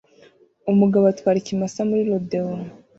Umugabo atwara ikimasa muri rodeo